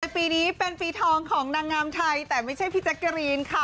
ปีนี้เป็นปีทองของนางงามไทยแต่ไม่ใช่พี่แจ๊กกะรีนค่ะ